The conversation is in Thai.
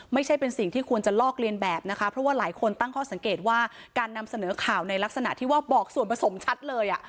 ไม่ใช่เป็นสิ่งที่ควรจะลอกเลียนแบบนะคะเพราะว่าหลายคนตั้งข้อสังเกตว่าการนำเสนอข่าวในลักษณะที่ว่าบอกส่วนผสมชัดเลย